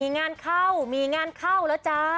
มีงานเข้ามีงานเข้าแล้วจ้า